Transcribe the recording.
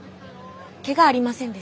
けがありませんでした？